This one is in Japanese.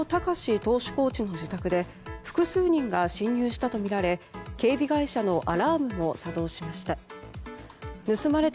投手コーチの自宅で複数人が侵入したとみられ警備会社のアラームも作動しました。